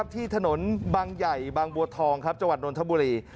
ที่ถนนบางใหญ่บางบัวทองจังหวัดนทบุรี